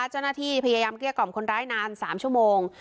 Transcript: เจ้าหน้าที่พยายามเกลี้ยกล่อมคนร้ายนาน๓ชั่วโมง